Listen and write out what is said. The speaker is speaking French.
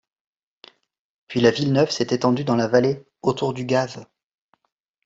Puis la ville neuve s'est étendue dans la vallée autour du gave.